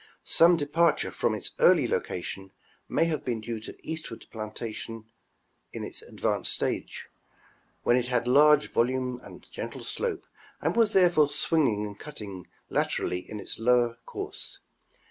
Some departure from its early location may have been due to eastward planation in its advanced age, when it had large volume and gentle slope and was therefore swinging and cutting latei'ally in its lower course.